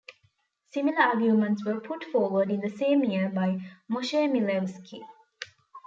Similar arguments were put forward in the same year by Moshe Milevsky.